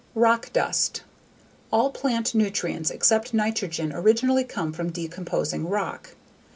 _ Rock dust. All plant nutrients except nitrogen originally come from decomposing rock.